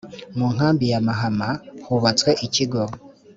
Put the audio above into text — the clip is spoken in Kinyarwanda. mu nkambi ya mahama hubatswe ikigo